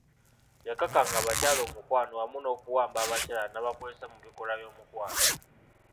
Yakakanga abakyala omukwano wamu n'okuwamba abakyala n'abakozesa mu bikolwa by'omukwano .